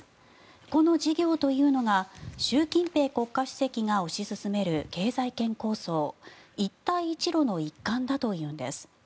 この事業というのが習近平国家主席が推し進める経済圏構想、一帯一路の一環だというんです。